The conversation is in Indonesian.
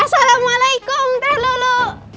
assalamualaikum teh lulu